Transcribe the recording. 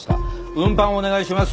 運搬をお願いします。